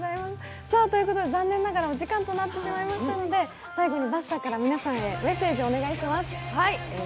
残念ながらお時間となってしまいましたので、最後にばっさーからメッセージをお願いします。